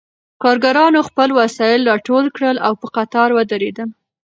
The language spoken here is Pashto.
کارګرانو خپل وسایل راټول کړل او په قطار ودرېدل